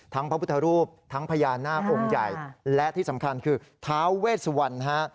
พระพุทธรูปทั้งพญานาคองค์ใหญ่และที่สำคัญคือท้าเวสวันฮะ